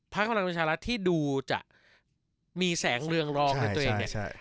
พลังประชารัฐที่ดูจะมีแสงเรืองรองในตัวเองเนี่ย